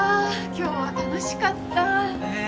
今日は楽しかったねえ